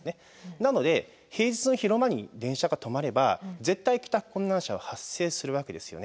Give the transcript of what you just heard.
なので平日の昼間に電車が止まれば絶対帰宅困難者は発生するわけですよね。